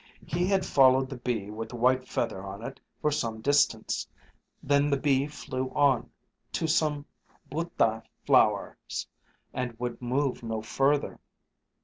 He had followed the bee with the white feather on it for some distance; then the bee flew on to some budtha flowers, and would move no further.